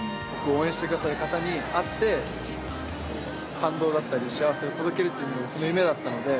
応援してくださる方に会って感動だったり幸せを届けるっていうのが僕の夢だったので。